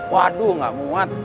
waduh gak muat